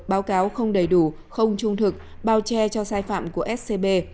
báo cáo không đầy đủ không trung thực bao che cho sai phạm của scb